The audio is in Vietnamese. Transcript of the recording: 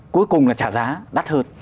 cuối cùng là trả giá đắt hơn